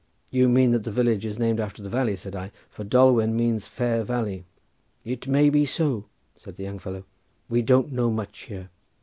"You mean that the village is named after the valley," said I, "for Dolwen means fair valley." "It may be," said the young fellow, "we don't know much here."